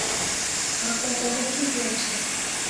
Makongo mengi ghecha.